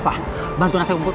pak bantu nasib rumah sakit pak